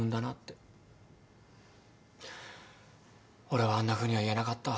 俺はあんなふうには言えなかった。